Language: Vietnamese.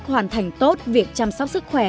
hoàn thành tốt việc chăm sóc sức khỏe